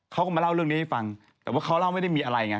เขาก็มาเล่าเรื่องนี้ให้ฟังแต่ว่าเขาเล่าไม่ได้มีอะไรไง